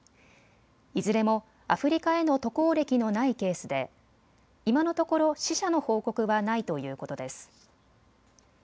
いずれもアフリカへの渡航歴のないケースで今のところ死者の報告はないということです。